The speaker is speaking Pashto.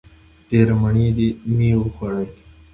ډېرې مڼې مې وخوړلې!